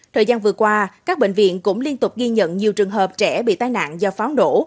thời gian vừa qua các bệnh viện cũng liên tục ghi nhận nhiều trường hợp trẻ bị tai nạn do pháo nổ